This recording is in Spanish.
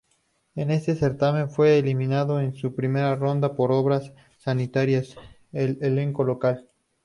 En ese certamen fue eliminado en primera ronda por Obras Sanitarias, el elenco local.